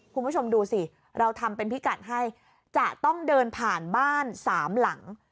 คุณผู้ชมดูสิเราทำเป็นพิกัดให้จะต้องเดินผ่านบ้านสามหลัง